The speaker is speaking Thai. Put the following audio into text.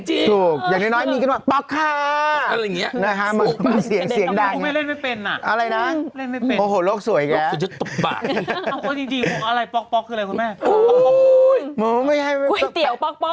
อู้ยก๋วยเตี๋ยวป๊อกมันแข็งที่